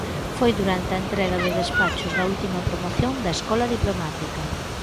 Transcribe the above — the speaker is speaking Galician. Foi durante a entrega de despachos da última promoción da escola diplomática.